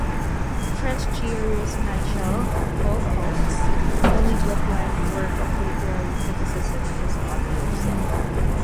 French theorist Michel Foucault's only book-length work of literary criticism is on Roussel.